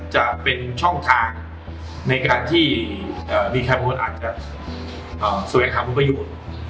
จะเป็นช่องทางในการที่มีใครบางคนอาจจะแสวงหาคุณประโยชน์